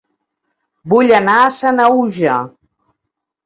Vull anar a Sanaüja